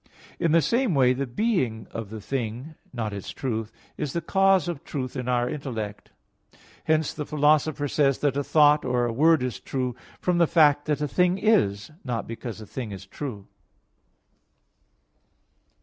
In the same way, the being of the thing, not its truth, is the cause of truth in the intellect. Hence the Philosopher says that a thought or a word is true "from the fact that a thing is, not because a thing is true."